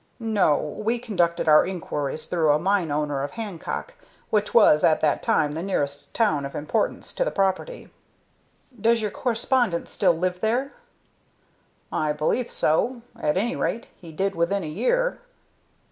"No. We conducted our inquiries through a mine owner of Hancock, which was at that time the nearest town of importance to the property." "Does your correspondent still live there?" "I believe so. At any rate, he did within a year."